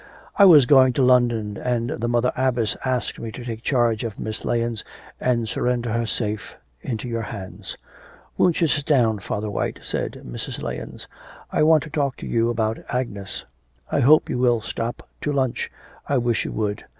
'I was going to London, and the Mother Abbess asked me to take charge of Miss Lahens, and surrender her safe into your hands.' 'Won't you sit down, Father White?' said Mrs. Lahens. 'I want to talk to you about Agnes. I hope you will stop to lunch.... I wish you would.'